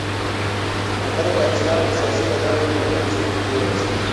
هغه د پاکستان په سیاسي ډګر کې مهمو څوکیو ته ورسېد.